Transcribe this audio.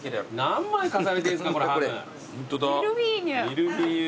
ミルフィーユ。